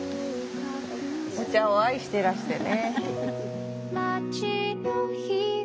お茶を愛してらしてね。